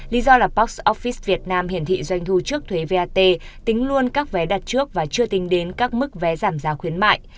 lý do là pox office việt nam hiển thị doanh thu trước thuế vat tính luôn các vé đặt trước và chưa tính đến các mức vé giảm giá khuyến mại